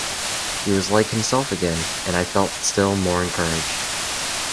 He was like himself again, and I felt still more encouraged.